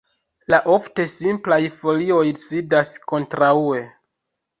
La ofte simplaj folioj sidas kontraŭe.